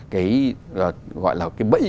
cái gọi là cái bẫy